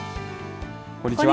こんにちは。